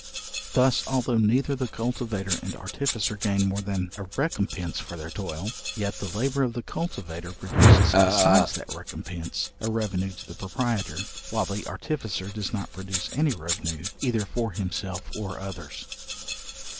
Thus, although neither the cultivator and artificer gain more than a recompence for their toil; yet the labour of the cultivator produces besides that recompense, a revenue to the proprietor, while the artificer does not produce any revenue either for himself or others.